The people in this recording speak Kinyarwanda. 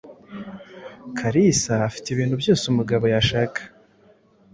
Kalisa afite ibintu byose umugabo yashaka.